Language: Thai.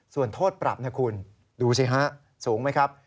ส่วนโทษปรับนะคุณดูสิฮะสูงไหมครับ